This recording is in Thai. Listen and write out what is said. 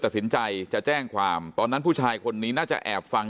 ตัดสินใจจะแจ้งความตอนนั้นผู้ชายคนนี้น่าจะแอบฟัง